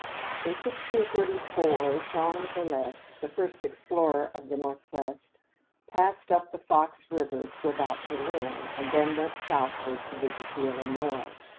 In 1634, Jean Nicolet, the first explorer of the Northwest, passed up the Fox River, to about Berlin, and then went southward to visit the Illinois.